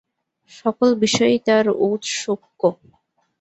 সকল বিষয়েই তার ঔৎসুক্য।